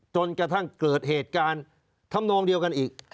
จนกระทั่งเกิดเหตุการณ์ทำนองเดียวกันอีก